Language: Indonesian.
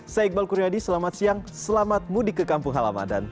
saya iqbal kuryadi selamat siang selamat mudik ke kampung halaman